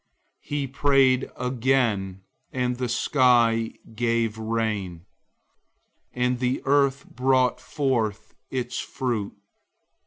005:018 He prayed again, and the sky gave rain, and the earth brought forth its fruit.